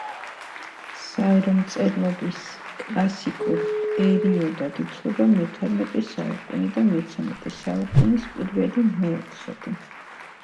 ქალაქი დიდი როლს თამაშობდა კუბის დამოუკიდებლობისათვის ომში.